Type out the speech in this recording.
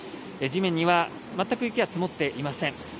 地面には全く雪は積もっていません。